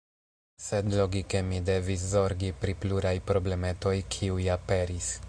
Sed logike mi devis zorgi pri pluraj problemetoj, kiuj aperis.